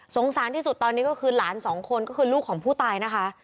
สารที่สุดตอนนี้ก็คือหลานสองคนก็คือลูกของผู้ตายนะคะ